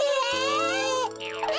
え！